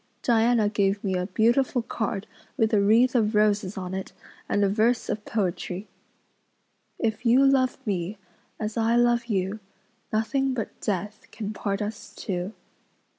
Diana gave me a beautiful card with a wreath of roses on it and a verse of poetry:" "If you love me as I love you Nothing but death can part us two."